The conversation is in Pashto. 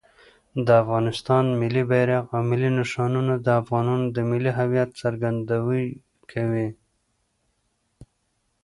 د افغانستان ملي بیرغ او ملي نښانونه د افغانانو د ملي هویت څرګندویي کوي.